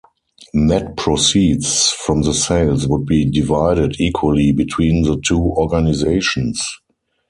Net proceeds from the sales would be divided equally between the two organizations.